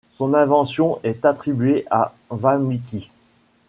Son invention est attribuée à Vālmīki.